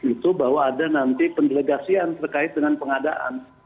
itu bahwa ada nanti pendelegasian terkait dengan pengadaan